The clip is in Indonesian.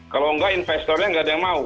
kalau enggak investornya nggak ada yang mau